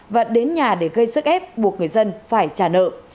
và đến nhà để gây sức ép buộc người dân phải trả nợ